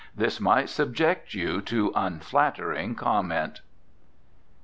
This might subject you to unflattering comment.